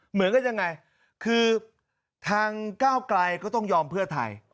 เหมือนกันยังไงคือทางก้าวไกลก็ต้องยอมเพื่อไทย